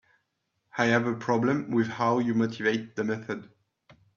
I have a problem with how you motivate the method.